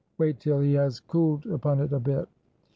Wait till he has cooled upon it a bit."